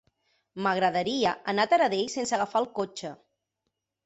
M'agradaria anar a Taradell sense agafar el cotxe.